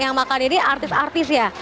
dan yang makan ini artis artis ya